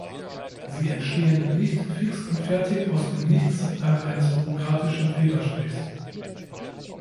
Sie entstehen nicht fix und fertig aus dem Nichts dank eines bürokratischen Federstrichs.